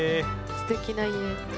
すてきな家。